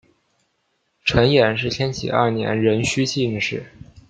陈演是天启二年壬戌进士。